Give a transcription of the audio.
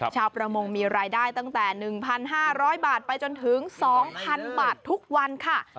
ชาวประมงมีรายได้ตั้งแต่๑๕๐๐บาทไปจนถึง๒๐๐๐บาททุกวันค่ะ